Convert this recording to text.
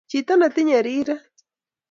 chito netinye riret